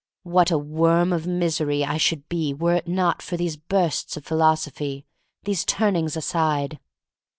What a worm of misery I should be were it not for these bursts of philoso phy, these turnings aside!